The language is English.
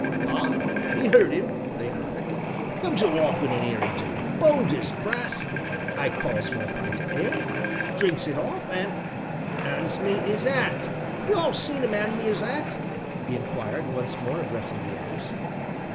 "Ah we 'eard 'im," they nodded. "Comes a walkin' in 'ere 'e do, bold as brass calls for a pint o' ale drinks it off, an' 'ands me 'is 'at; you all seen 'im 'and me 'is 'at?" he inquired, once more addressing the others.